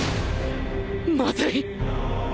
まずい！